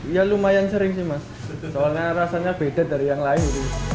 ya lumayan sering sih mas soalnya rasanya beda dari yang lain